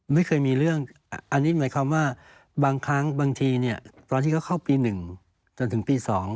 ไม่เคยมีเรื่องอันนี้หมายความว่าบางครั้งบางทีเนี่ยตอนที่เขาเข้าปี๑จนถึงปี๒